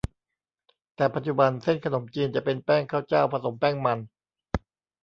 แต่ปัจจุบัน เส้นขนมจีนจะเป็นแป้งข้าวเจ้า ผสมแป้งมัน